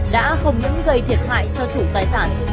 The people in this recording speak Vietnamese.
đã không những gây thiệt hại cho chủ tài sản